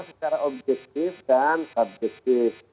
secara objektif dan subjektif